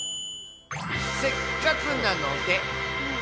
せっかくなので。